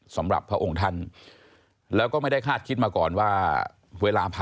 สวรรคตนะครับ